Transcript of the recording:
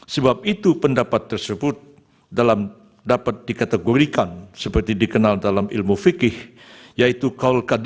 sebab itu pendapat tersebut dalam dapat dikategorikan sebagai pendapat yang tersebut dalam dikategorikan sebagai pendapat yang tersebut dalam diurankan pemilu sejauh dua ribu tujuh belas dan dua ribu tujuh belas